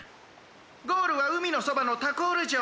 ゴールはうみのそばのタコールじょう。